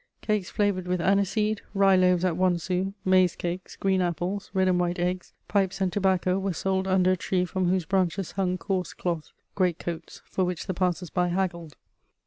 Cakes flavoured with aniseed, rye loaves at one sou, maize cakes, green apples, red and white eggs, pipes and tobacco were sold under a tree from whose branches hung coarse cloth great coats, for which the passers by haggled.